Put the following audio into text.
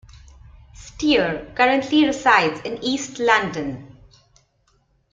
Steer currently resides in east London.